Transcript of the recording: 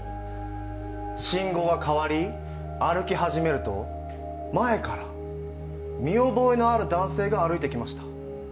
信号が変わり、歩き始めると前から見覚えのある男性が歩いてきました。